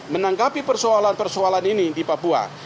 menanggapi persoalan persoalan ini di papua